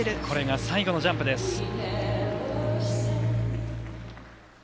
これが最後のジャンプです。